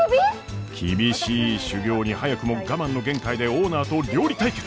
厳しい修業に早くも我慢の限界でオーナーと料理対決！